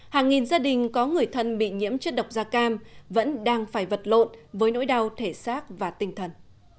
hàng nghìn gia đình có người thân bị nhiễm chất độc da cam vẫn đang phải vật lộn với nỗi đau thể xác và tinh thần